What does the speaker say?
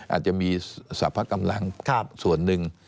อาจจะมีสรรพกำลังส่วนหนึ่ง